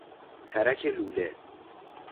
ترک لوله